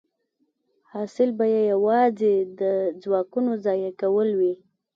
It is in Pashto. حاصل به یې یوازې د ځواکونو ضایع کول وي